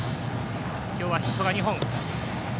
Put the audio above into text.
今日はヒットが２本。